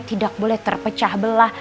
tidak boleh terpecah belah